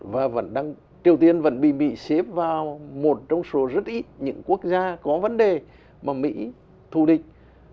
và triều tiên vẫn bị mỹ xếp vào một trong số rất ít những quốc gia có vấn đề mà mỹ thù địch